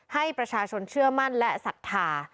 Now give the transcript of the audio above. ให้ประชาชนเชื่อมั่นและศรัทธา